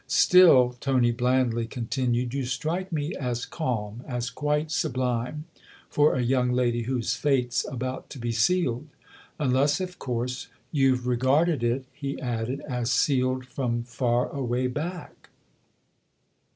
Still," Tony blandly continued, "you strike me as calm as quite sub lime for a young lady whose fate's about to be sealed. Unless, of course, you've regarded it," he added, " as sealed from far away back."